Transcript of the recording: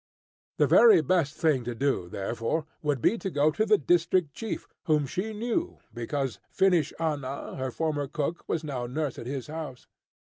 The very best thing to do, therefore, would be to go to the district chief, whom she knew, because Finnish Anna, her former cook, was now nurse at his house.